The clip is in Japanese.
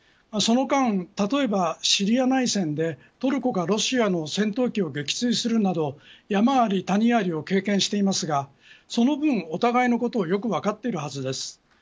その間、例えばシリア内戦でトルコがロシアの戦闘機を撃墜するなど山あり谷ありを経験していますがその分、お互いのことをよく分かっているはずです。